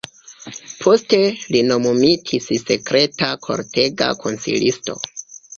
Poste li nomumitis sekreta kortega konsilisto.